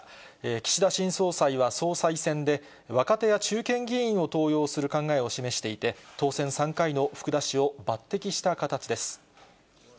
岸田新総裁は総裁選で、若手や中堅議員を登用する考えを示していて、当選３回の福田氏を抜てきした形です。